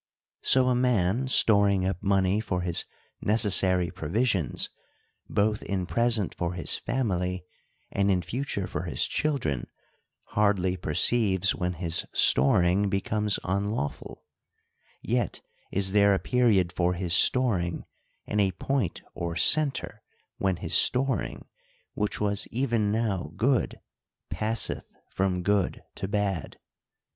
So, a man storing up money for his necessary provisions, both in present for his family and in future for his chil dren, hardly perceives when his storing becomes unlaw ful : yet is there a period for his storing, and a point or centre when his storing, which was even now good, passeth from good to bad.